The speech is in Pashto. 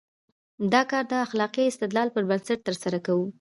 دا کار د اخلاقي استدلال پر بنسټ ترسره کوو.